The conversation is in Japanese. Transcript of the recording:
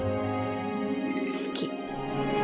好き。